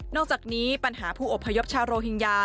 จากนี้ปัญหาผู้อบพยพชาวโรฮิงญา